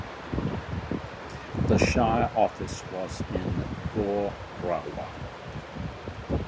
The shire office was in Boorowa.